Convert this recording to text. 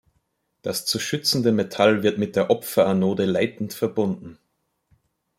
Das zu schützende Metall wird mit der Opferanode leitend verbunden.